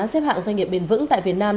xếp hạng doanh nghiệp bền vững tại việt nam